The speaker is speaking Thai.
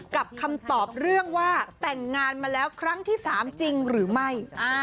คำตอบเรื่องว่าแต่งงานมาแล้วครั้งที่๓จริงหรือไม่